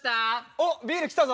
おビール来たぞ！